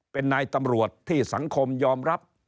เป็นนายตำรวจที่สังคมยอมรับ